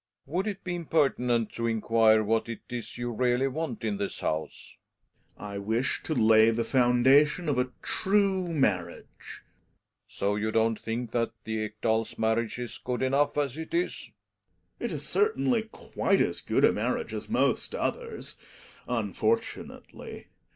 Would it be impertinent to inquire, what it is you really want in this house ? Gregers. I wish to lay the foundation of a true marriage. Relling. So you don't vt^hinV that the Ekdal's marriage is good enough as it is? Gregers. It is certaii ly q,iite' cs gooi a raarriage as most others, unfortunately.